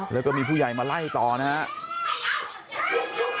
แล้วก็มีผู้ใหญ่มาไล่ต่อนะครับ